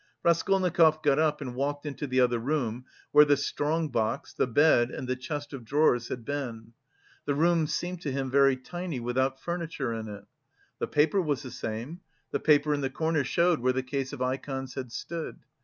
Raskolnikov got up and walked into the other room where the strong box, the bed, and the chest of drawers had been; the room seemed to him very tiny without furniture in it. The paper was the same; the paper in the corner showed where the case of ikons had stood.